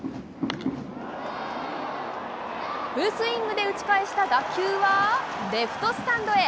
フルスイングで打ち返した打球は、レフトスタンドへ。